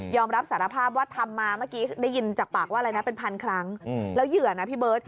รับสารภาพว่าทำมาเมื่อกี้ได้ยินจากปากว่าอะไรนะเป็นพันครั้งแล้วเหยื่อนะพี่เบิร์ต